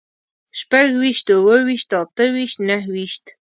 شپږويشت، اووهويشت، اتهويشت، نههويشت